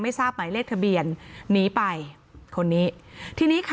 ทราบหมายเลขทะเบียนหนีไปคนนี้ทีนี้ค่ะ